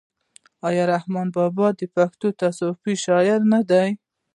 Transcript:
آیا رحمان بابا د پښتو صوفي شاعر نه دی؟